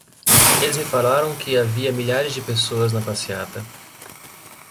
Eles me falaram que haviam milhares de pessoas na passeata.